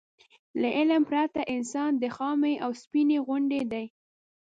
له علم پرته انسان د خامې اوسپنې غوندې دی.